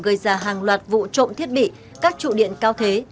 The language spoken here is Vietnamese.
gây ra hàng loạt vụ trộm thiết bị các trụ điện cao thế